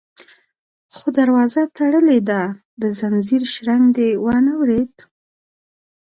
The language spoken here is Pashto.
_خو دروازه تړلې ده، د ځنځير شرنګ دې وانه ورېد؟